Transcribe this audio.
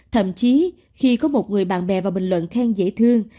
thậm chí khi có một người bạn bè vào bình luận khen dễ thương